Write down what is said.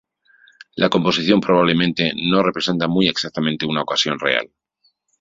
La composición, probablemente no representa muy exactamente una ocasión real.